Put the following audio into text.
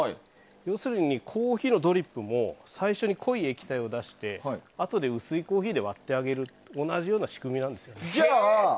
要するにコーヒーのドリップも最初に濃い液体を出してあとで薄いコーヒーで割ってあげる同じ仕組みなんです。